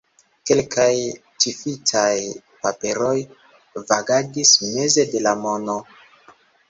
Kelkaj ĉifitaj paperoj vagadis meze de la mono.